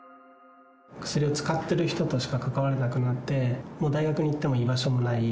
薬を使ってる人としか関われなくなって、もう大学に行っても居場所がない。